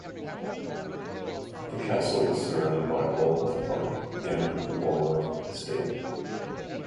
The castle is surrounded by Lulworth Park and the Lulworth Estate.